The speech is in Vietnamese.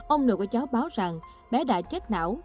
ông nội của cháu báo rằng bé đã chết não